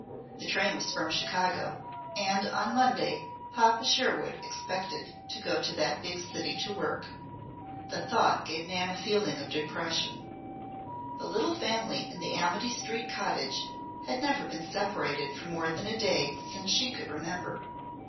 This train was from Chicago, and on Monday Papa Sherwood expected to go to that big city to work. The thought gave Nan a feeling of depression. The little family in the Amity street cottage had never been separated for more than a day since she could remember.